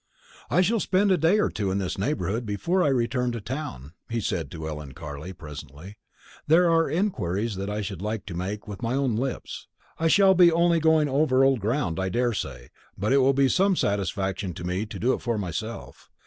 "I shall spend a day or two in this neighbourhood before I return to town," he said to Ellen Carley presently; "there are inquiries that I should like to make with my own lips. I shall be only going over old ground, I daresay, but it will be some satisfaction to me to do it for myself.